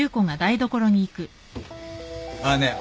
あっねえ！